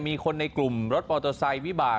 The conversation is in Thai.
มีคนในกลุ่มรถออทอไซร์วิบา